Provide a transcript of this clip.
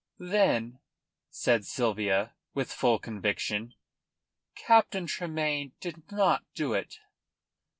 "Then," said Sylvia, with full conviction, "Captain Tremayne did not do it."